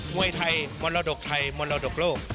มวยไทยมรดกไทยมรดกโลก